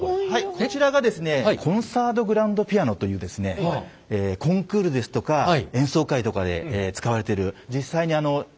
こちらがですねコンサートグランドピアノというですねコンクールですとか演奏会とかで使われてる。